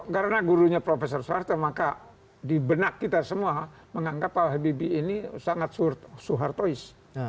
karena gurunya profesor soeharto maka di benak kita semua menganggap pak habibie ini sangat soehartois